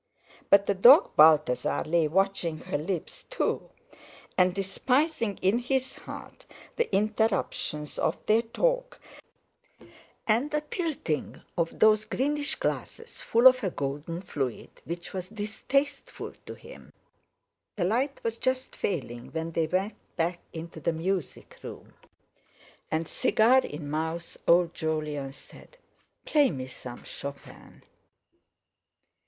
But the dog Balthasar lay watching her lips too, and despising in his heart the interruptions of their talk, and the tilting of those greenish glasses full of a golden fluid which was distasteful to him. The light was just failing when they went back into the music room. And, cigar in mouth, old Jolyon said: "Play me some Chopin."